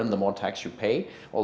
lebih banyak tax yang anda bayar